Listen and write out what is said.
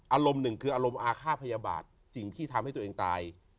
อารมณ์หนึ่งคืออารมณ์อาฆาตพยาบาทสิ่งที่ทำให้ตัวเองตาย